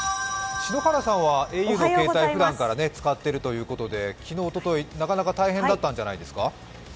篠原さんはａｕの携帯をふだんから使っているということで昨日、おととい、なかなか大変だったんじゃないですか？